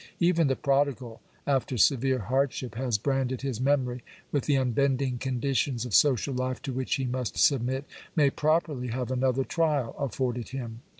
Even the prodigal, after severe hard ship has branded his memory with the unbending conditions of social life to which he must submit, may properly have another trial afforded him.